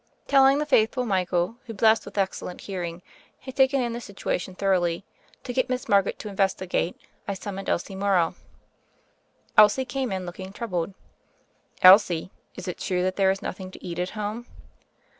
'* Telling the faithful Michael, who, blessed with excellent hearing, had taken in the situa tion thoroughly, to get Miss Margaret to in vestigate, I summoned Elsie Morrow. Elsie came in looking troubled. ''Elsie, is it true that there is nothing to eat at home?"